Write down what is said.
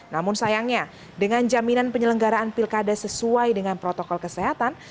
namun sayangnya dengan jaminan penyelenggaraan pilkada sesuai dengan protokol kesehatan